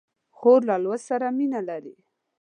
خور له لوست سره مینه لري.